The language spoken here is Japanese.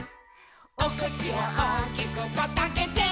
「おくちをおおきくパッとあけて」